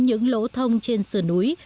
những lỗ thông trên sườn núi